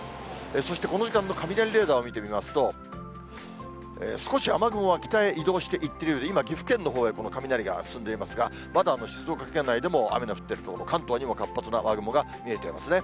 そして、この時間の雷レーダーを見てみますと、少し雨雲は北へ移動していってるようで、今、岐阜県のほうへ雷が進んでいますが、まだ静岡県内でも雨の降っている所、関東にも活発な雨雲が見えていますね。